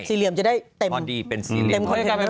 สี่เหลี่ยมจะได้เต็ม